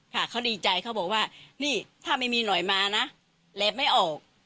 ค่ะเขาดีใจเขาบอกว่านี่ถ้าไม่มีหน่อยมานะแหลบไม่ออก